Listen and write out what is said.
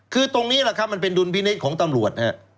คือตรงนี้แหละครับมันเป็นดุลพินิษฐ์ของตำรวจฮะ